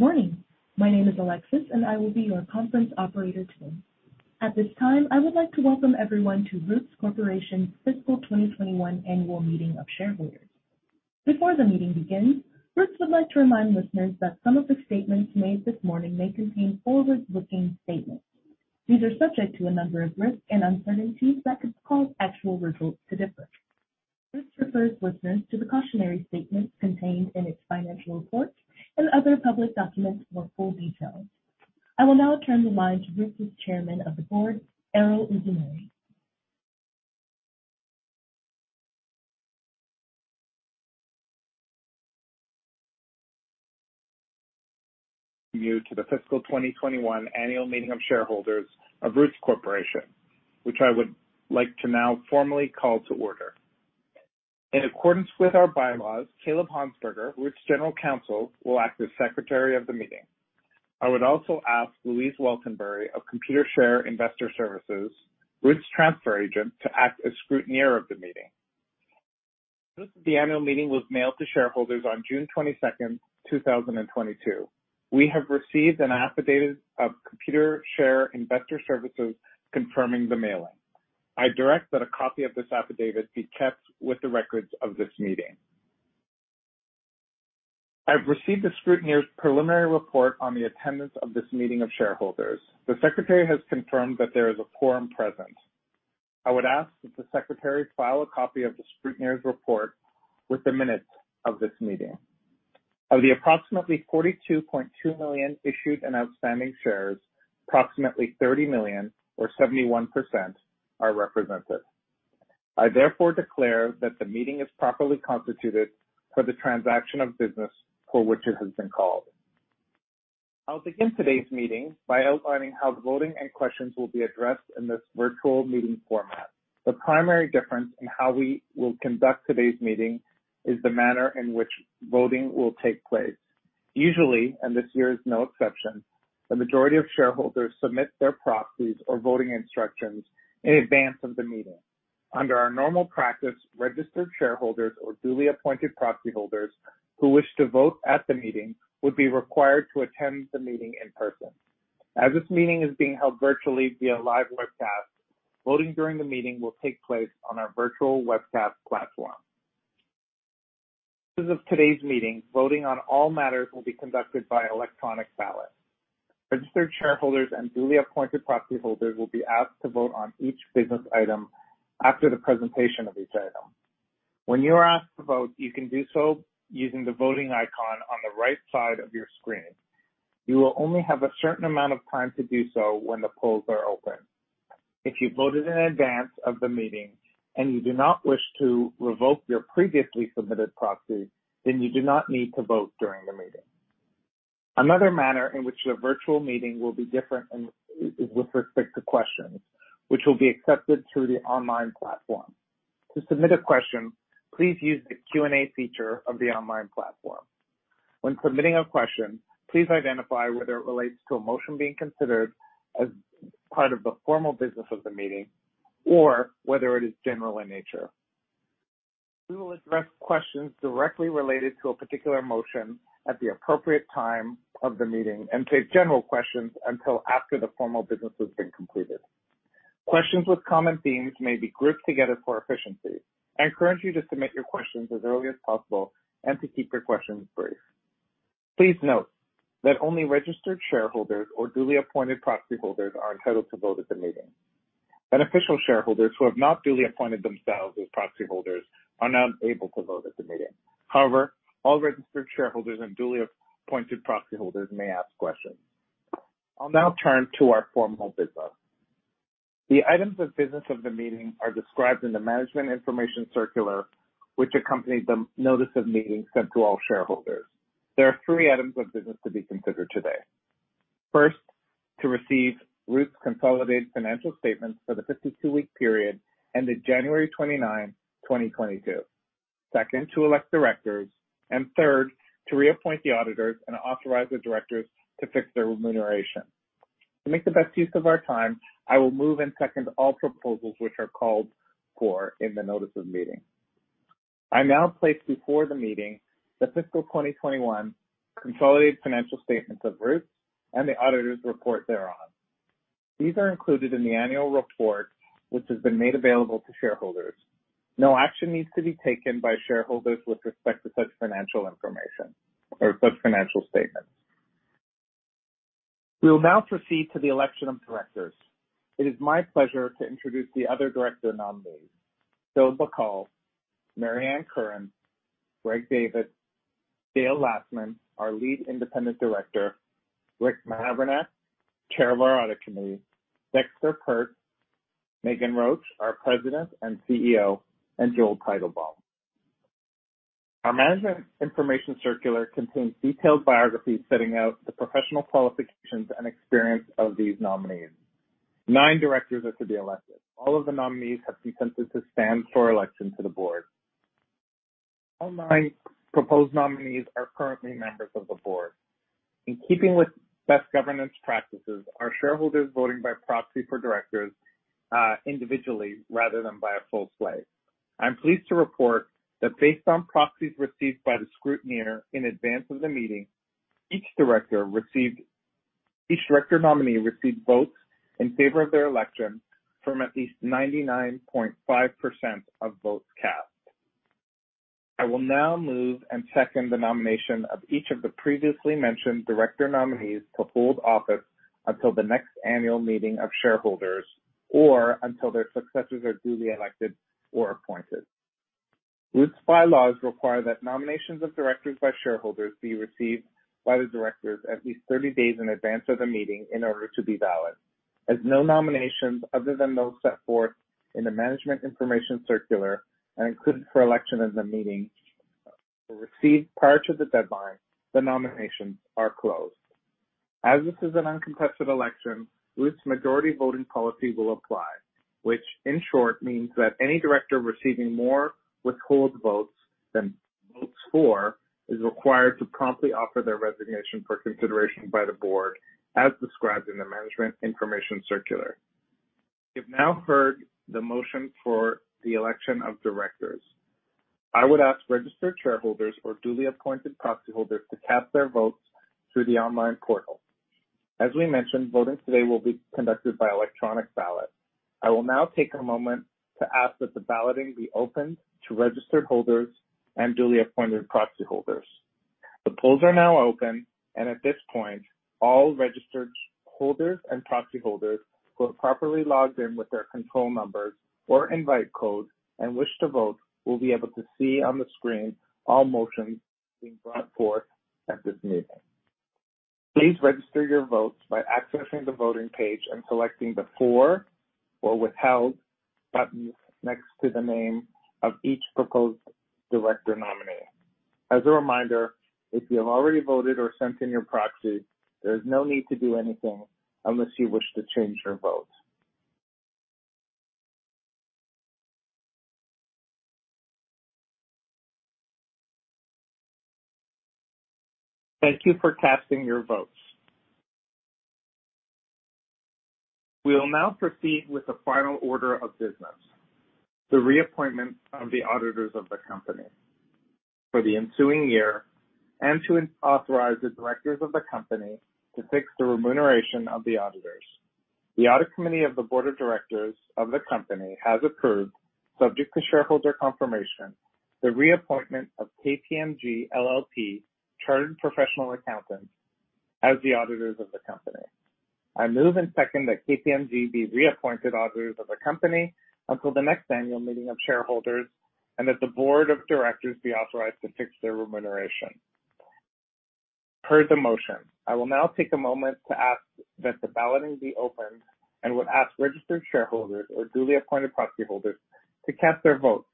Good morning. My name is Alexis, and I will be your conference operator today. At this time, I would like to welcome everyone to Roots Corporation Fiscal 2021 Annual Meeting of Shareholders. Before the meeting begins, Roots would like to remind listeners that some of the statements made this morning may contain forward-looking statements. These are subject to a number of risks and uncertainties that could cause actual results to differ. Roots refers listeners to the cautionary statements contained in its financial reports and other public documents for full details. I will now turn the line to Roots' Chairman of the Board, Erol Uzumeri. You to the fiscal 2021 Annual Meeting of Shareholders of Roots Corporation, which I would like to now formally call to order. In accordance with our bylaws, Kaleb Honsberger, Roots General Counsel, will act as Secretary of the meeting. I would also ask Louise Waltenbury of Computershare Investor Services, Roots transfer agent, to act as scrutineer of the meeting. The annual meeting was mailed to shareholders on June 22nd, 2022. We have received an affidavit of Computershare Investor Services confirming the mailing. I direct that a copy of this affidavit be kept with the records of this meeting. I've received the scrutineer's preliminary report on the attendance of this meeting of shareholders. The Secretary has confirmed that there is a quorum present. I would ask that the Secretary file a copy of the scrutineer's report with the minutes of this meeting. Of the approximately 42.2 million issued and outstanding shares, approximately 30 million or 71% are represented. I therefore declare that the meeting is properly constituted for the transaction of business for which it has been called. I'll begin today's meeting by outlining how voting and questions will be addressed in this virtual meeting format. The primary difference in how we will conduct today's meeting is the manner in which voting will take place. Usually, and this year is no exception, the majority of shareholders submit their proxies or voting instructions in advance of the meeting. Under our normal practice, registered shareholders or duly appointed proxy holders who wish to vote at the meeting would be required to attend the meeting in person. As this meeting is being held virtually via live webcast, voting during the meeting will take place on our virtual webcast platform. As of today's meeting, voting on all matters will be conducted by electronic ballot. Registered shareholders and duly appointed proxy holders will be asked to vote on each business item after the presentation of each item. When you are asked to vote, you can do so using the voting icon on the right side of your screen. You will only have a certain amount of time to do so when the polls are open. If you voted in advance of the meeting and you do not wish to revoke your previously submitted proxy, then you do not need to vote during the meeting. Another manner in which the virtual meeting will be different in, is with respect to questions which will be accepted through the online platform. To submit a question, please use the Q&A feature of the online platform. When submitting a question, please identify whether it relates to a motion being considered as part of the formal business of the meeting or whether it is general in nature. We will address questions directly related to a particular motion at the appropriate time of the meeting and take general questions until after the formal business has been completed. Questions with common themes may be grouped together for efficiency. I encourage you to submit your questions as early as possible and to keep your questions brief. Please note that only registered shareholders or duly appointed proxy holders are entitled to vote at the meeting. Beneficial shareholders who have not duly appointed themselves as proxy holders are not able to vote at the meeting. However, all registered shareholders and duly appointed proxy holders may ask questions. I'll now turn to our formal business. The items of business of the meeting are described in the management information circular which accompanied the notice of meeting sent to all shareholders. There are three items of business to be considered today. First, to receive Roots' consolidated financial statements for the 52-week period ended January 29, 2022. Second, to elect directors. Third, to reappoint the auditors and authorize the directors to fix their remuneration. To make the best use of our time, I will move and second all proposals which are called for in the notice of meeting. I now place before the meeting the fiscal 2021 consolidated financial statements of Roots and the auditors' report thereon. These are included in the annual report which has been made available to shareholders. No action needs to be taken by shareholders with respect to such financial information or such financial statements. We will now proceed to the election of directors. It is my pleasure to introduce the other director nominees, Phil Bacal, Mary Ann Curran, Gregory David, Dale Lastman, our Lead Independent Director, Richard Mavrinac, Chair of our Audit Committee, Dexter Peart, Meghan Roach, our President and CEO, and Joel Teitelbaum. Our management information circular contains detailed biographies setting out the professional qualifications and experience of these nominees. Nine Directors are to be elected. All of the nominees have consented to stand for election to the board. All nine proposed nominees are currently members of the board. In keeping with best governance practices, our shareholders voting by proxy for directors, individually rather than by a full slate. I'm pleased to report that based on proxies received by the scrutineer in advance of the meeting, each director nominee received votes in favor of their election from at least 99.5% of votes cast. I will now move and second the nomination of each of the previously mentioned director nominees to hold office until the next annual meeting of shareholders or until their successors are duly elected or appointed. Roots' bylaws require that nominations of directors by shareholders be received by the directors at least 30 days in advance of the meeting in order to be valid. No nominations other than those set forth in the management information circular and included for election in the meeting were received prior to the deadline, the nominations are closed. This is an uncontested election, Roots' majority voting policy will apply, which in short means that any director receiving more withhold votes than votes for is required to promptly offer their resignation for consideration by the board, as described in the Management Information Circular. You've now heard the motion for the election of directors. I would ask registered shareholders or duly appointed proxy holders to cast their votes through the online portal. We mentioned, voting today will be conducted by electronic ballot. I will now take a moment to ask that the balloting be opened to registered holders and duly appointed proxy holders. The polls are now open and at this point, all registered holders and proxy holders who have properly logged in with their control numbers or invite code and wish to vote, will be able to see on the screen all motions being brought forth at this meeting. Please register your votes by accessing the voting page and selecting the For or Withheld buttons next to the name of each proposed director nominee. As a reminder, if you have already voted or sent in your proxy, there is no need to do anything unless you wish to change your vote. Thank you for casting your votes. We will now proceed with the final order of business, the reappointment of the auditors of the company for the ensuing year, and to authorize the directors of the company to fix the remuneration of the auditors. The audit committee of the Board of Directors of the company has approved, subject to shareholder confirmation, the reappointment of KPMG LLP Chartered Professional Accountants as the auditors of the company. I move and second that KPMG be reappointed auditors of the company until the next Annual Meeting of Shareholders, and that the Board of Directors be authorized to fix their remuneration. You've heard the motion. I will now take a moment to ask that the balloting be opened and would ask registered shareholders or duly appointed proxy holders to cast their votes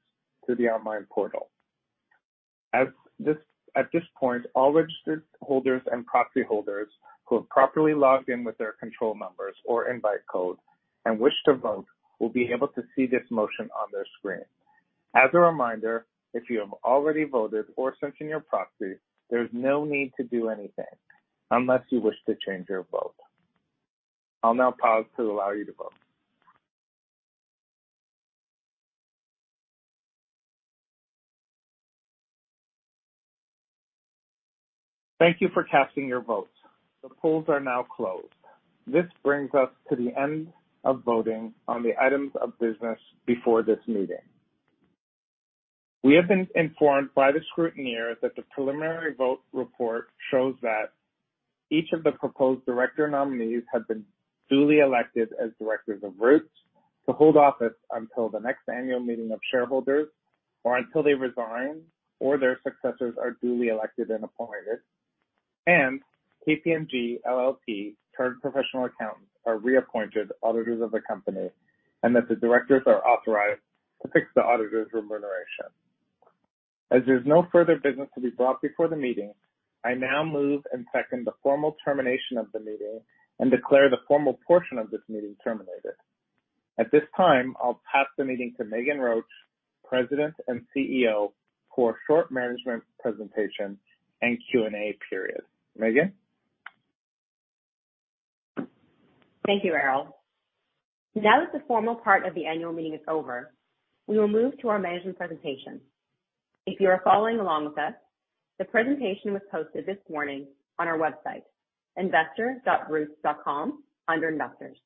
through the online portal. At this point, all registered holders and proxy holders who have properly logged in with their control numbers or invite code and wish to vote, will be able to see this motion on their screen. As a reminder, if you have already voted or sent in your proxy, there's no need to do anything unless you wish to change your vote. I'll now pause to allow you to vote. Thank you for casting your votes. The polls are now closed. This brings us to the end of voting on the items of business before this meeting. We have been informed by the scrutineer that the preliminary vote report shows that each of the proposed director nominees have been duly elected as directors of Roots to hold office until the next annual meeting of shareholders, or until they resign or their successors are duly elected and appointed. KPMG LLP Chartered Professional Accountants are reappointed auditors of the company, and that the directors are authorized to fix the auditors' remuneration. As there's no further business to be brought before the meeting, I now move and second the formal termination of the meeting and declare the formal portion of this meeting terminated. At this time, I'll pass the meeting to Meghan Roach, President and CEO, for a short management presentation and Q&A period. Meghan? Thank you, Erol. Now that the formal part of the annual meeting is over, we will move to our management presentation. If you are following along with us, the presentation was posted this morning on our website, investor.roots.com, under Investors.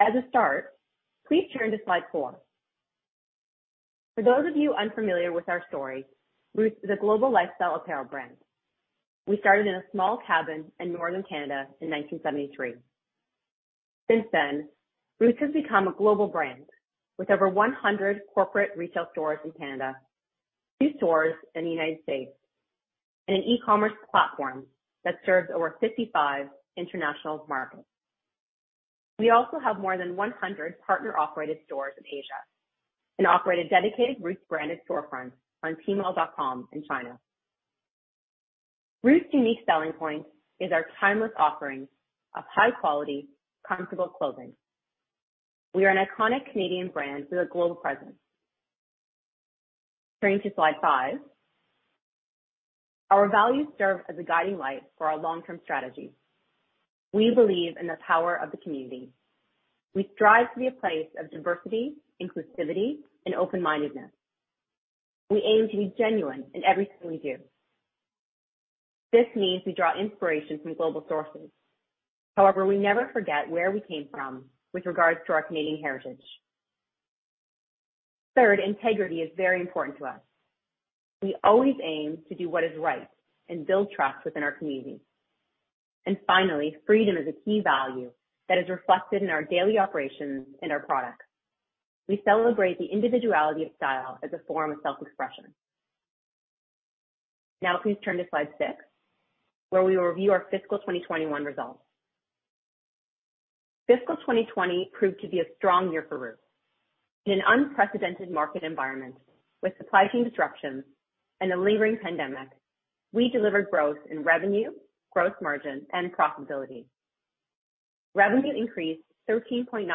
As a start, please turn to slide 4. For those of you unfamiliar with our story, Roots is a global lifestyle apparel brand. We started in a small cabin in northern Canada in 1973. Since then, Roots has become a global brand with over 100 corporate retail stores in Canada, two stores in the United States, and an e-commerce platform that serves over 55 international markets. We also have more than 100 partner-operated stores in Asia and operate a dedicated Roots branded storefront on Tmall.com in China. Roots' unique selling point is our timeless offerings of high-quality, comfortable clothing. We are an iconic Canadian brand with a global presence. Turning to slide 5. Our values serve as a guiding light for our long-term strategy. We believe in the power of the community. We strive to be a place of diversity, inclusivity, and open-mindedness. We aim to be genuine in everything we do. This means we draw inspiration from global sources. However, we never forget where we came from with regards to our Canadian heritage. Third, integrity is very important to us. We always aim to do what is right and build trust within our community. Finally, freedom is a key value that is reflected in our daily operations and our products. We celebrate the individuality of style as a form of self-expression. Now please turn to slide 6, where we will review our fiscal 2021 results. Fiscal 2020 proved to be a strong year for Roots. In an unprecedented market environment with supply chain disruptions and a lingering pandemic, we delivered growth in revenue, gross margin, and profitability. Revenue increased 13.9%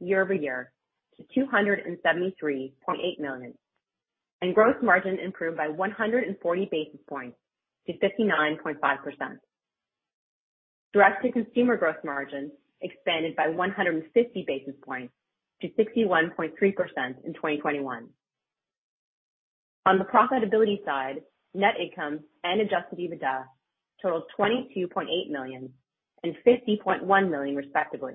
year-over-year to 273.8 million. Gross margin improved by 140 basis points to 59.5%. Direct-to-consumer growth margin expanded by 150 basis points to 61.3% in 2021. On the profitability side, net income and adjusted EBITDA totaled 22.8 million and 50.1 million respectively.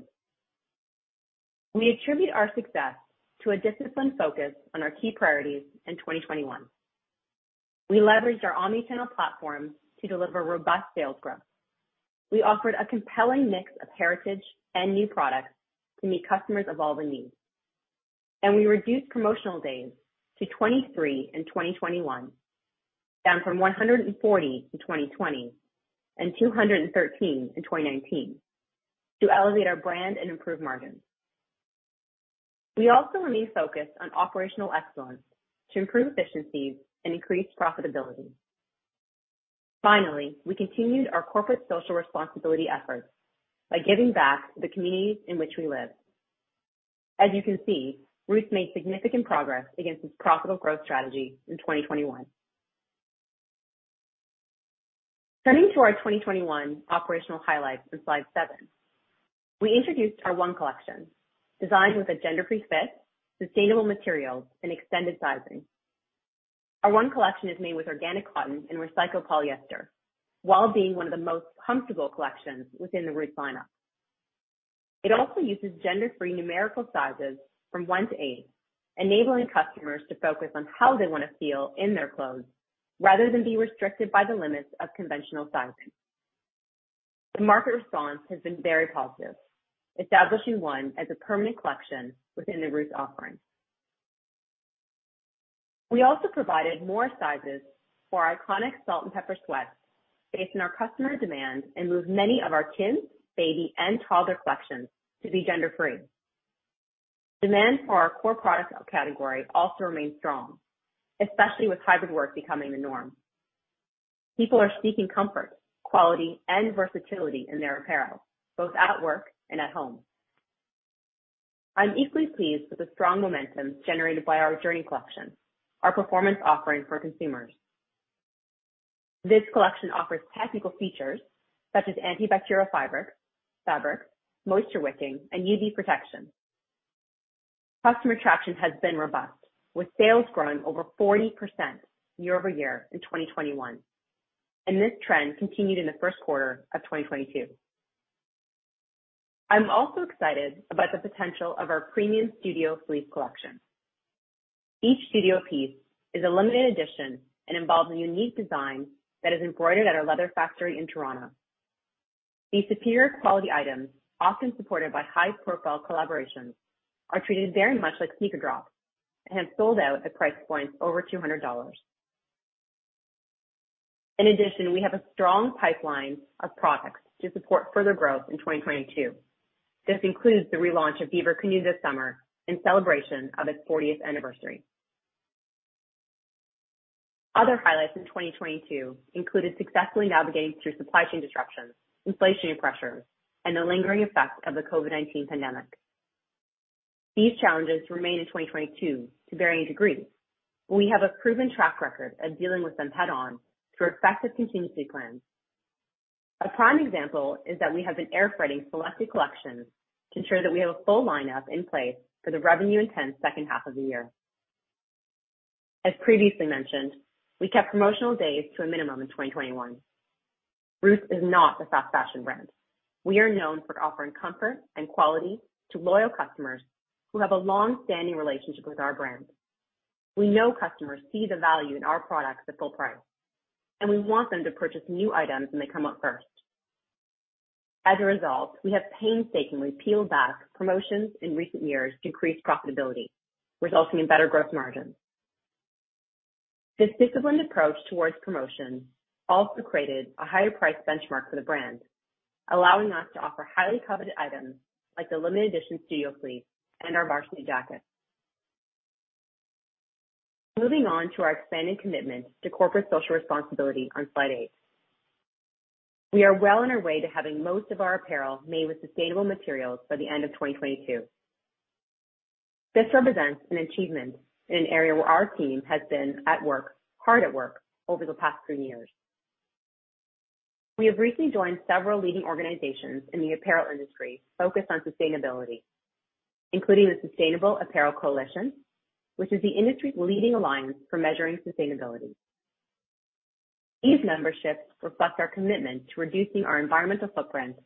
We attribute our success to a disciplined focus on our key priorities in 2021. We leveraged our omnichannel platform to deliver robust sales growth. We offered a compelling mix of heritage and new products to meet customers evolving needs. We reduced promotional days to 23 in 2021, down from 140 in 2020 and 213 in 2019 to elevate our brand and improve margins. We also remain focused on operational excellence to improve efficiencies and increase profitability. Finally, we continued our corporate social responsibility efforts by giving back to the communities in which we live. As you can see, Roots made significant progress against its profitable growth strategy in 2021. Turning to our 2021 operational highlights on slide 7. We introduced our One Collection, designed with a gender-free fit, sustainable materials, and extended sizing. Our One Collection is made with organic cotton and recycled polyester while being one of the most comfortable collections within the Roots lineup. It also uses gender-free numerical sizes from one to eight, enabling customers to focus on how they wanna feel in their clothes rather than be restricted by the limits of conventional sizing. The market response has been very positive, establishing One as a permanent collection within the Roots offering. We also provided more sizes for our iconic Salt & Pepper sweats based on our customer demand and moved many of our kids, baby, and toddler collections to be gender-free. Demand for our core product category also remains strong, especially with hybrid work becoming the norm. People are seeking comfort, quality, and versatility in their apparel, both at work and at home. I'm equally pleased with the strong momentum generated by our Journey collection, our performance offering for consumers. This collection offers technical features such as antibacterial fiber, fabric, moisture-wicking, and UV protection. Customer traction has been robust, with sales growing over 40% year-over-year in 2021. This trend continued in the first quarter of 2022. I'm also excited about the potential of our premium Studio Fleece collection. Each Studio piece is a limited edition and involves a unique design that is embroidered at our leather factory in Toronto. These superior quality items, often supported by high-profile collaborations, are treated very much like sneaker drops and sold out at price points over 200 dollars. We have a strong pipeline of products to support further growth in 2022. This includes the relaunch of Beaver Canoe this summer in celebration of its fortieth anniversary. Other highlights in 2022 included successfully navigating through supply chain disruptions, inflationary pressures, and the lingering effects of the COVID-19 pandemic. These challenges remain in 2022 to varying degrees, but we have a proven track record of dealing with them head on through effective contingency plans. A prime example is that we have been airfreighting selected collections to ensure that we have a full lineup in place for the revenue intense second half of the year. As previously mentioned, we kept promotional days to a minimum in 2021. Roots is not a fast fashion brand. We are known for offering comfort and quality to loyal customers who have a long-standing relationship with our brand. We know customers see the value in our products at full price, and we want them to purchase new items when they come out first. As a result, we have painstakingly peeled back promotions in recent years to increase profitability, resulting in better growth margins. This disciplined approach towards promotions also created a higher price benchmark for the brand, allowing us to offer highly coveted items like the limited edition Studio Fleece and our varsity jacket. Moving on to our expanded commitment to corporate social responsibility on slide 8. We are well on our way to having most of our apparel made with sustainable materials by the end of 2022. This represents an achievement in an area where our team has been hard at work over the past three years. We have recently joined several leading organizations in the apparel industry focused on sustainability, including the Sustainable Apparel Coalition, which is the industry's leading alliance for measuring sustainability. These memberships reflect our commitment to reducing our environmental footprints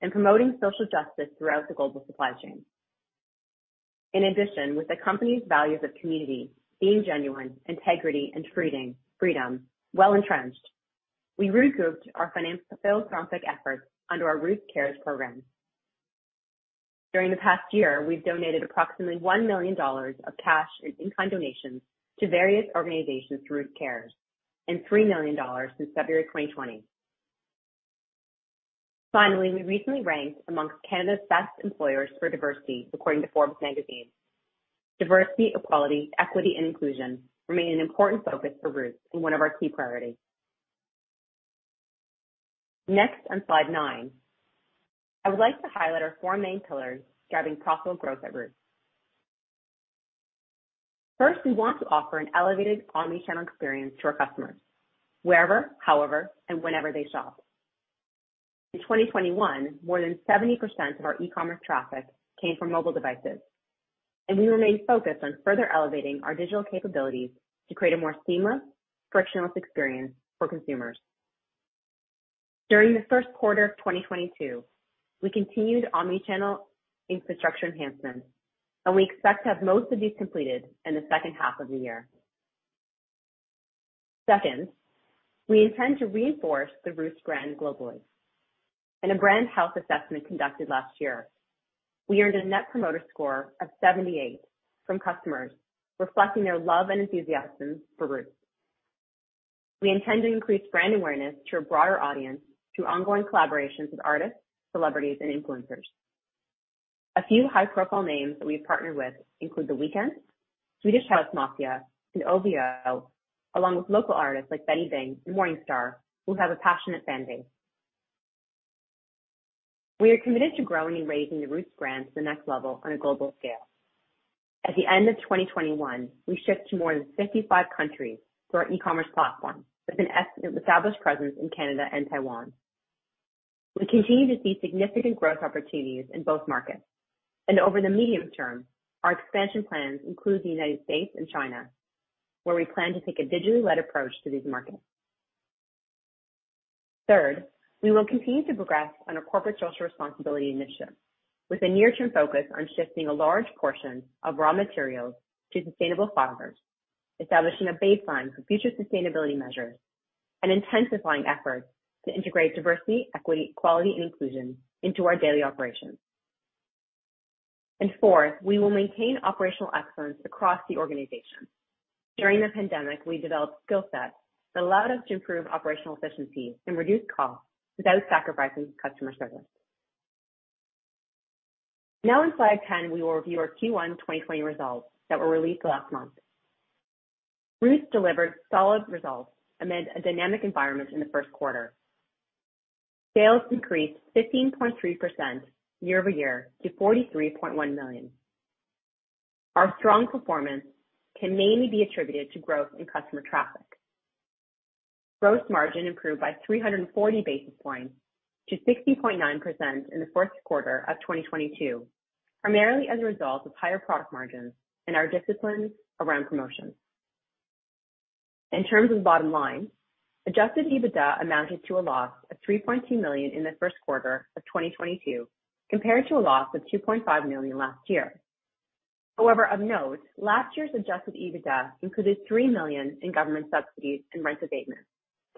and promoting social justice throughout the global supply chain. With the company's values of community, being genuine, integrity, and treating freedom well entrenched. We regrouped our philanthropic efforts under our Roots Cares program. During the past year, we've donated approximately 1 million dollars of cash and in-kind donations to various organizations through Roots Cares and 3 million dollars since February 2020. We recently ranked amongst Canada's best employers for diversity, according to Forbes Magazine. Diversity, equality, equity, and inclusion remain an important focus for Roots and one of our key priorities. On slide nine, I would like to highlight our four main pillars driving profitable growth at Roots. We want to offer an elevated omnichannel experience to our customers wherever, however, and whenever they shop. In 2021, more than 70% of our e-commerce traffic came from mobile devices, and we remain focused on further elevating our digital capabilities to create a more seamless, frictionless experience for consumers. During the first quarter of 2022, we continued omnichannel infrastructure enhancements, and we expect to have most of these completed in the second half of the year. Second, we intend to reinforce the Roots brand globally. In a brand health assessment conducted last year, we earned a Net Promoter Score of 78 from customers, reflecting their love and enthusiasm for Roots. We intend to increase brand awareness to a broader audience through ongoing collaborations with artists, celebrities, and influencers. A few high-profile names that we've partnered with include The Weeknd, Swedish House Mafia, and OVO, along with local artists like Benny Bing and Morningstar, who have a passionate fan base. We are committed to growing and raising the Roots brand to the next level on a global scale. At the end of 2021, we shipped to more than 55 countries through our e-commerce platform with an established presence in Canada and Taiwan. We continue to see significant growth opportunities in both markets. Over the medium term, our expansion plans include the United States and China, where we plan to take a digitally led approach to these markets. Third, we will continue to progress on our corporate social responsibility initiatives with a near-term focus on shifting a large portion of raw materials to sustainable fibers, establishing a baseline for future sustainability measures, and intensifying efforts to integrate diversity, equity, equality, and inclusion into our daily operations. Fourth, we will maintain operational excellence across the organization. During the pandemic, we developed skill sets that allowed us to improve operational efficiencies and reduce costs without sacrificing customer service. In slide 10, we will review our Q1 2020 results that were released last month. Roots delivered solid results amid a dynamic environment in the first quarter. Sales increased 15.3% year-over-year to 43.1 million. Our strong performance can mainly be attributed to growth in customer traffic. Gross margin improved by 340 basis points to 60.9% in the fourth quarter of 2022, primarily as a result of higher product margins and our disciplines around promotions. In terms of bottom line, adjusted EBITDA amounted to a loss of 3.2 million in the first quarter of 2022 compared to a loss of 2.5 million last year. However, of note, last year's adjusted EBITDA included 3 million in government subsidies and rent abatements,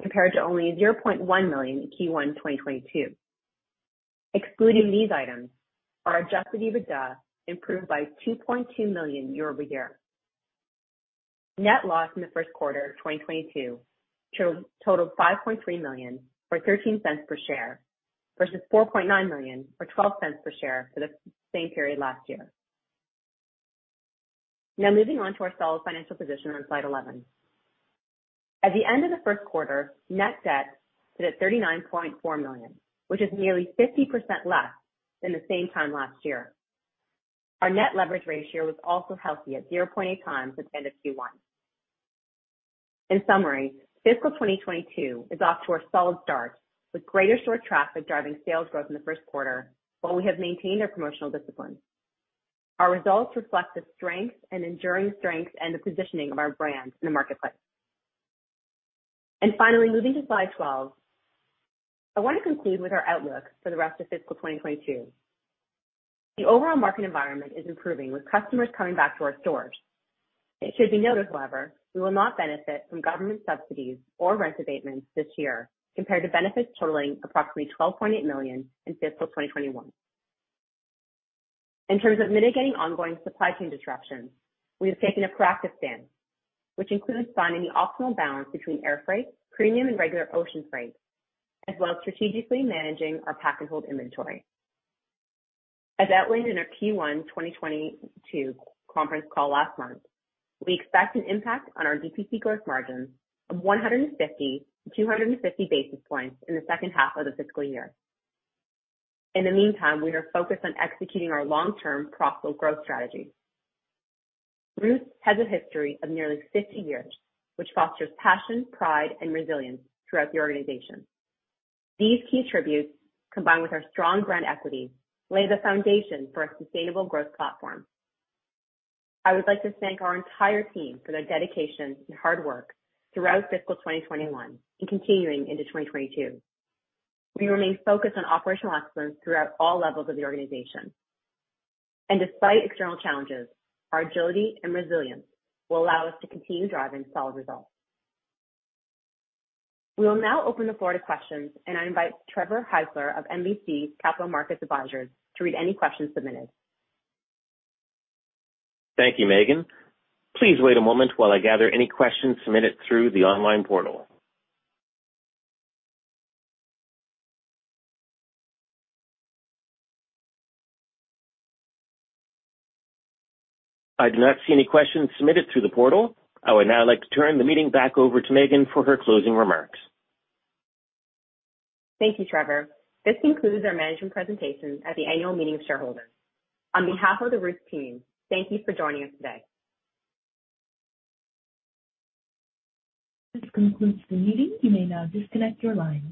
compared to only 0.1 million in Q1 2022. Excluding these items, our adjusted EBITDA improved by 2.2 million year-over-year. Net loss in the first quarter of 2022 totaled 5.3 million, or 0.13 per share, versus 4.9 million or 0.12 per share for the same period last year. Moving on to our solid financial position on slide 11. At the end of the first quarter, net debt sit at 39.4 million, which is nearly 50% less than the same time last year. Our net leverage ratio was also healthy at 0.8x at the end of Q1. In summary, fiscal 2022 is off to a solid start with greater store traffic driving sales growth in the first quarter while we have maintained our promotional discipline. Our results reflect the strength and enduring strength and the positioning of our brand in the marketplace. Finally, moving to slide 12. I wanna conclude with our outlook for the rest of fiscal 2022. The overall market environment is improving with customers coming back to our stores. It should be noted, however, we will not benefit from government subsidies or rent abatements this year compared to benefits totaling approximately 12.8 million in fiscal 2021. In terms of mitigating ongoing supply chain disruptions, we have taken a proactive stance, which includes finding the optimal balance between air freight, premium and regular ocean freight, as well as strategically managing our pack-and-hold inventory. As outlined in our Q1 2022 conference call last month, we expect an impact on our GCP gross margins of 150-250 basis points in the second half of the fiscal year. In the meantime, we are focused on executing our long-term profitable growth strategy. Roots has a history of nearly 50 years, which fosters passion, pride, and resilience throughout the organization. These key tributes, combined with our strong brand equity, lay the foundation for a sustainable growth platform. I would like to thank our entire team for their dedication and hard work throughout fiscal 2021 and continuing into 2022. We remain focused on operational excellence throughout all levels of the organization. Despite external challenges, our agility and resilience will allow us to continue driving solid results. We will now open the floor to questions, and I invite Trevor Heisler of MBC Capital Markets Advisors to read any questions submitted. Thank you, Meghan. Please wait a moment while I gather any questions submitted through the online portal. I do not see any questions submitted through the portal. I would now like to turn the meeting back over to Meghan for her closing remarks. Thank you, Trevor. This concludes our management presentation at the Annual Meeting of Shareholders. On behalf of the Roots team, thank you for joining us today. This concludes the meeting. You may now disconnect your lines.